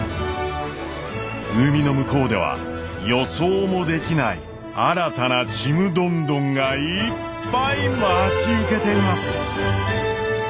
海の向こうでは予想もできない新たなちむどんどんがいっぱい待ち受けています。